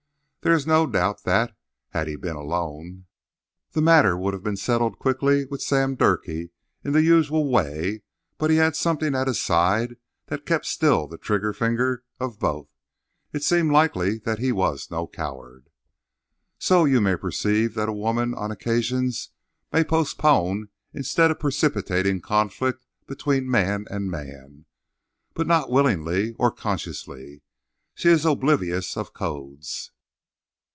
There is no doubt that, had he been alone, the matter would have been settled quickly with Sam Durkee in the usual way; but he had something at his side that kept still the trigger finger of both. It seemed likely that he was no coward. So, you may perceive that woman, on occasions, may postpone instead of precipitating conflict between man and man. But not willingly or consciously. She is oblivious of codes.